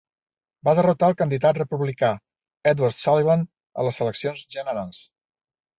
Va derrotar al candidat republicà, Edward Sullivan, a les eleccions generals.